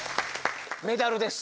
メダルです。